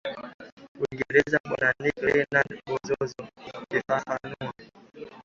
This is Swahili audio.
Uingereza Bwana Nick Reynald Bongozozo akifafanua